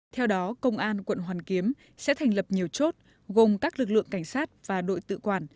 theo đó công an quận hoàn kiếm sẽ thành lập nhiều chốt gồm các lực lượng cảnh sát và đội tự quản